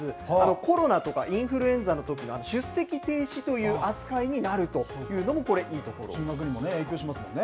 コロナとかインフルエンザのときの、出席停止という扱いになると進学にも影響しますもんね。